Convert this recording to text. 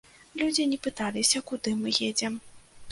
Людзі не пыталіся, куды мы едзем.